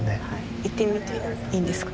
行ってみていいんですか？